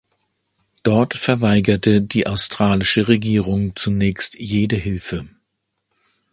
Dort verweigerte die australische Regierung zunächst jede Hilfe.